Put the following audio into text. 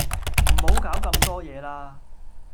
唔好搞咁多嘢啦